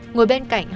ngồi bên cạnh con